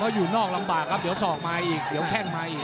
อยู่นอกลำบากครับเดี๋ยวศอกมาอีกเดี๋ยวแข้งมาอีก